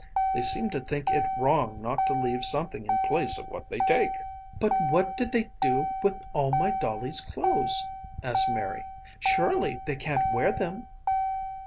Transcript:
They seem to think it wrong not to leave something in place of what they take." "But what did they do with all my dolly's clothes?" asked Mary, "surely they can't wear them."